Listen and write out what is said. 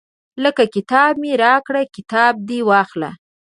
لکه کتاب مې راکړه کتاب دې واخله.